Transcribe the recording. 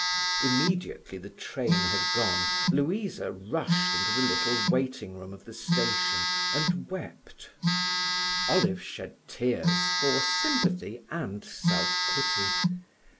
Immediately the train had gone, Louisa rushed into the little waiting room of the station and wept. Olive shed tears for sympathy and self pity.